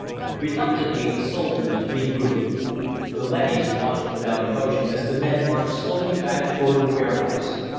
Reluctantly, the soldiers regrouped. The leadys watched without emotion as the men marched slowly back toward the warehouse.